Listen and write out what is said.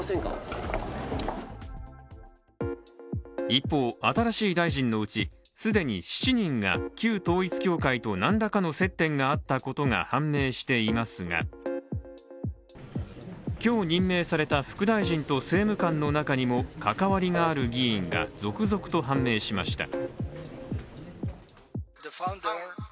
一方、新しい大臣のうち、既に７人が旧統一教会と何らかの接点があったことが判明していますが今日任命された副大臣と政務官の中にも関わりがある議員が続々と判明しました。